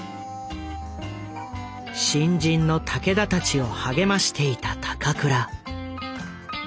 新人の武田たちを励ましていた高倉。